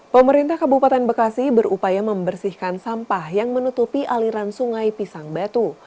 pemerintah kabupaten bekasi berupaya membersihkan sampah yang menutupi aliran sungai pisang batu